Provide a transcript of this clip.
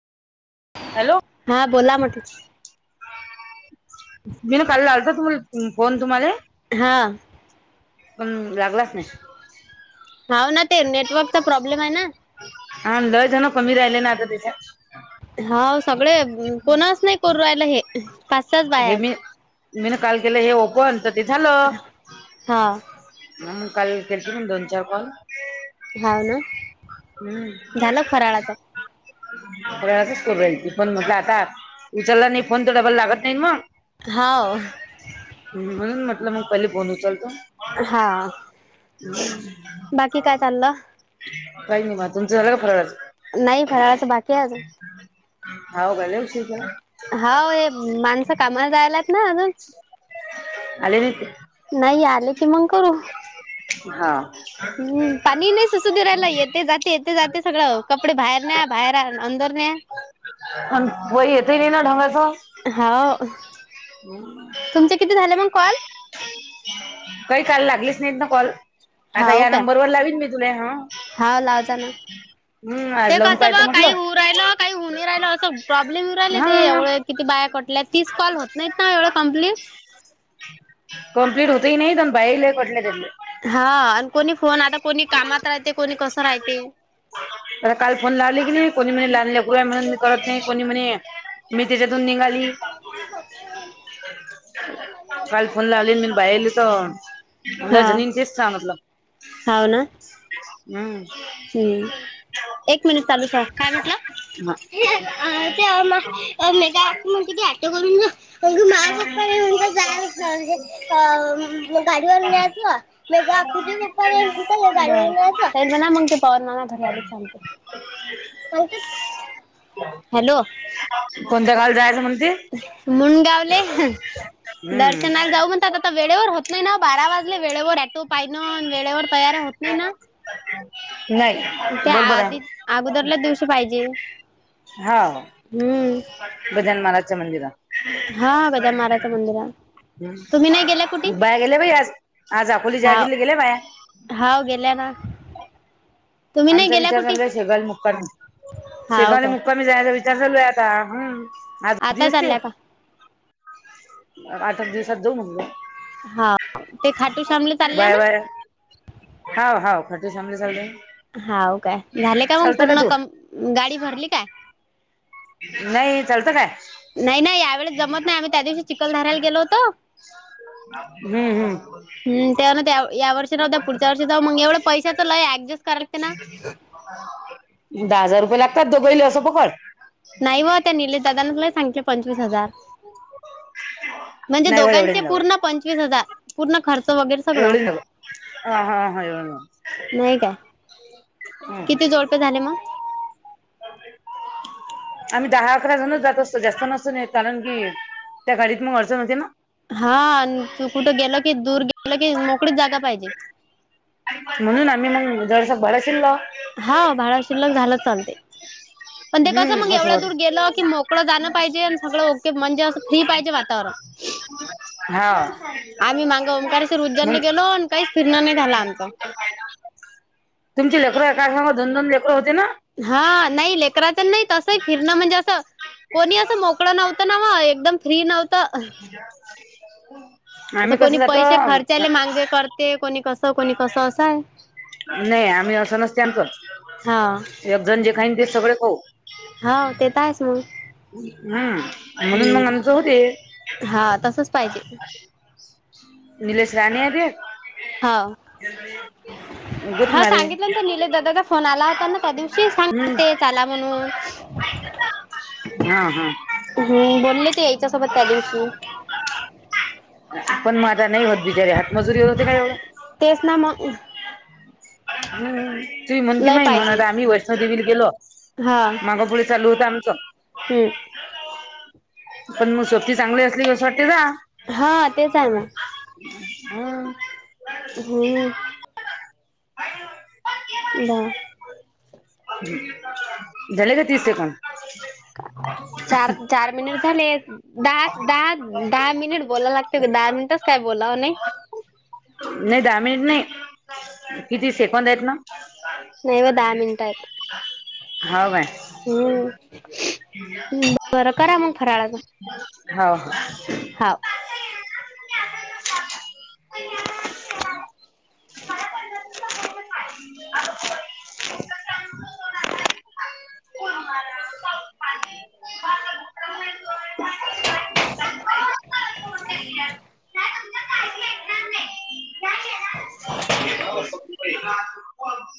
Hello! हा.. बोला म्हटलं. [unintelligible] गेले काल लावते फ... फोन तुम्हाले हा पण.. लागलाच नाही. हावना ते नेटवर्कचा प्रॉब्लेम आहे ना हा लय जण कमी राहिले ना आता त्याच्यात हा सगळे उ.. कोणाच नाही करु रायल हे, टास्क हे, मी.. मी ना काल केल हे ओपन तर ते झालं. हा ह्.. मग काल केलती मन दोन -चार कॉल हा.. ना हम्- झालं फराळाचं? फराळाचं करू राहीली ती पन म्हटलं आता, उचलला नाही फोन तर डबाल लागत नाही ना. हा.. व ह्ह्.. म्हणून म्हटलं मग पहिल फोन उचलतो. हा.. बाकी काय चाल? काही नाही, तुमचं झालं का फराळाच? नाही.. फराळाचं बाकी आहे अजून हाव काय लय उशीर केला. हा.. वे.. माणसं कामाला जायलेत ना अजून आले नाहीत काय? नई आले की मग करू. हा हम्म.. पाणी नाही सु.. सु.. करायला येते -जाते.. येते -जाते सगळं कपडे बाहेर न्या बाहेर आण अंदर न्या हन.. बोल हाव तुमचे किती झालं मग कॉल? काही काॅल लागलीच नाहीतना कॉल, आता हाव ह्या काय नंबरवर लावीन मी जुन्या. हाव लाव जाना. ते आज ते लावून कसं पाहतो ब म्हटलं काही होऊ राहिलं, काही होऊ नही राहिल असं प्रॉब्लेम येऊ राहिले ते हा एवढं. किती बाया कटल्या, तीस कॉल होत नाहीत ना एवढ कम्प्लीट हा [inaudible] कंप्लीट होत ही नाही, पण बाहेलय कटले त्यातले हा आणि कोणी फोन आता कोणी कामात राहते कोणी कसं राहते. मला काल फोन लावले की नाही कोणी म्हणे लहान लेकरू म्हणून मी करत नाही कोणी म्हणे मी तिच्या तुन निघाली. हं [inaudible] काल फोन लावले मी बायाला तर लय हा जणींनी तेच सांगितलं. हाव ना हम्म हम्म एक मिनिट चालू ठेवा. काय म्हटला? ते मग मेघा आतु म्हणते को ऐटो [inaudible] माय पप्पा न म्हणता जायच म्हणजे गाडीवर न्यायचं. [inaudible] वेगळं आख जिबापण ह्यांनाना मग ते [inaudible] त्यांनाना घरी आले किं सांगते. सांगतात की हॅलो! कोणत्या गावाला जायचं म्हणती? म्हणून गावले. दर्शनाला हम्म जाऊ म्हणतात आता वेळेवर होत नाही ना ओ बारा वाजले वेळेवर ऐटो पाहिन वेळेवर तयार होत नाही ना. नाही [inaudible] त्या आधी आहे अगोदरला दिवशी पाहिजे, हा हम्म गजानन महाराजच्या मंदिरात. हा गजानन महाराजच्या मंदिरात. तुम्ही नाही गेल्या कुठे ह बया गेले बाई आज, आज आपोली च्या हाव गेले बाया हाव गेल्या ना. तुम्ही नाही आमचा गेल्या विचार कुठे चाललाय शेगावला मुक्काम, हाव शेगावला मुक्काम. काय मुक्कामी जायचा विचार चालू हे आता, हम्म आज कधी आता असते चालल्या का? आठ ऐक दिवसात जाऊ म्हणलं. हा ते खाटू श्यामला बाय चालल्याना. बाय हाव हाव खाटूशामला चालाल्या ना. हाव काय झाले का मग पूर्ण कम गाडी भरली काय? नाही, चलत काय? नाही नाही यावेळेस जमत नाही आम्ही त्या दिवशी चिखलधाऱ्याला गेलो होतो. हम्म हम्म हम् त्यावन त्या ह्या वर्षी नव्हतं, पुढच्या वर्षी जाऊ मग एवढं पैशसाच लय ऍडजस्ट करा लागते ना. दहा हजार रुपये लागतात दोघलो असं पकडून. नाही व त्या नीलेश दादान तर लय सांगितले पंचवीस हजार. म्हणजे नाही व एवढे दोघांचे नव पूर्ण पंचवीस हजार. पूर्ण खर्च वगैरे सगळं. एवढे नव हा हा हा एवढं नव नाही काय हम्म किती हम्म जोडपे झाले मग? आम्ही दहा अकरा जणच जात असतो जास्त नसतो नेत कारण की त्या गाडीत मग अडचण होते ना. हा आणि तू कुठं गेल की दूर गेलं की मोकळीच जागा पाहिजे. म्हणून आम्ही मग जराशी भाड शिल्कक हा भाडा शिल्लक झाला चालते. पण ते कसं मग हम्म असं एवढ्या दूर गेलं की मोकळं जाणं पाहिजे आणि सगळं ओके होतं म्हणजे असं फ्री पाहिजे वातावरण. हा आम्ही मांगं ओंकारेश्वर उज्जैन मग गेलो काहीच फिरण नाही झालं आमचं. तुमची लेकर एका संग दोन दोन लेकर होते ना. हा नाही लेकराच नाही तसही फिरणं म्हणजे असं. कोणी असं मोकळं नव्हतं नाव एकदम फ्री नव्हतं. [unintelligible] असं कोणी कसं जातो पैसे खर्चाला मागे करते कोणी कसं कोणी कसं असं आहे. नाही आम्ही असं नसते आमच हा एकजण जे खाईन तेच सगळे खाऊ. हाव तेे तरं आहेच मग. हम्म म्हणून मग हम्म आमचं होते. हा तसच पाहिजे निलेश राणे आहे ते. हा गुत हा मारे सांगितलं ते निलेश दादाचा फोन आला होता ना त्या दिवशी सांग हम्म ते चला म्हणून. हा हा. हम्म बोलले ते याच्यासोबत त्या दिवशी पण मगं आता नाही होत बिगारी हात मजुरीवर होते का एवढं. तेच ना मग. ह तु म्हण कि लय मही पाहिजे म्हण आम्ही वैष्णोदेवीला गेलो माग पुढे चालू होत आमचं. हम्. पण मग सोबती चांगली असली कसं वाटते जा. हा तेच आहे मग. हा. हम्. ब हं. झाले का तीस सेकंद. [unintelligible] चार चार मिनिट झाले दहा दहा दहा मिनिट बोलाय लागत दहा मिनिटच काय बोलावं नाही. नाही दहा मिनिट नाही किती सेकंद आहेत ना. नाही व दहा मिनट आहेत. हवं काय. हम्म. करा मग फराळाच. हाव हं. हाव. हम्. हं. हं [inaudible] यात [inaudible]